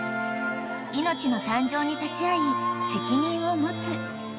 ［命の誕生に立ち合い責任を持つ］